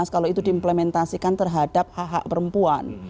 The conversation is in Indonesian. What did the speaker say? kalau itu diimplementasikan terhadap hak hak perempuan